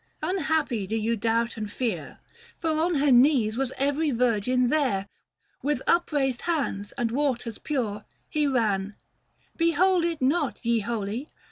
unhappy do you doubt and fear, For on her knees was every virgin there. 530 With upraised hands and waters pure, he ran :" Behold it not, ye holy